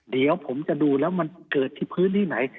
เดี๋ยวผมจะดูแล้วมันเกิดที่พื้นที่ไหน